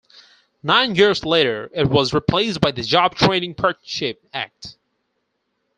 Nine years later, it was replaced by the Job Training Partnership Act.